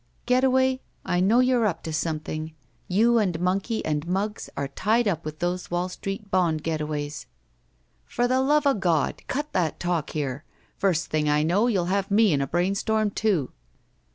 "Getaway, I know you're up to something. You and Monkey and Muggs are tied up with those Wall Street bond getaways." "For the luvagod, cut that talk here! First thing I know you'll have me in a brainstorm too."